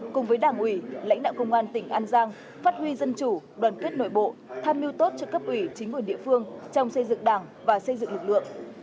cùng với đảng ủy lãnh đạo công an tỉnh an giang phát huy dân chủ đoàn kết nội bộ tham mưu tốt cho cấp ủy chính quyền địa phương trong xây dựng đảng và xây dựng lực lượng